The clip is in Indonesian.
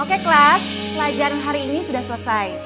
oke kelas pelajaran hari ini sudah selesai